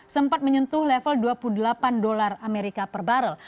sempat menyentuh level dua puluh delapan dolar amerika per barrel